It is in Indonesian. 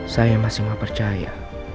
saya masih gak percaya